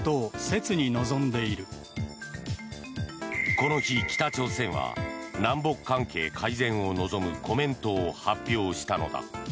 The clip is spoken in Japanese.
この日、北朝鮮は南北関係改善を望むコメントを発表したのだ。